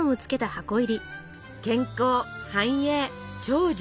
健康繁栄長寿